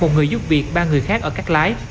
một người giúp việc ba người khác ở cắt lái